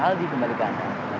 aldi kembali ke anda